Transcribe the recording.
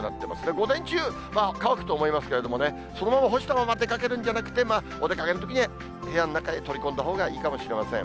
午前中、乾くと思いますけどね、そのまま干したまま出かけるんじゃなくて、お出かけのときは、部屋の中へ取り込んだほうがいいかもしれません。